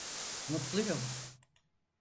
Mutluyum.